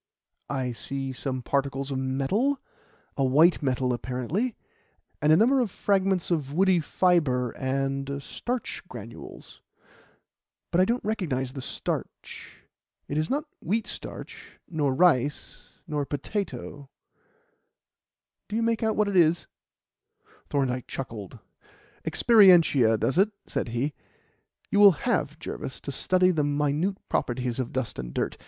"I see some particles of metal a white metal apparently and a number of fragments of woody fibre and starch granules, but I don't recognize the starch. It is not wheat starch, nor rice, nor potato. Do you make out what it is?" [Illustration: FLUFF FROM KEY BARREL, MAGNIFIED 77 DIAMETERS.] Thorndyke chuckled. "Experientia does it," said he. "You will have, Jervis, to study the minute properties of dust and dirt.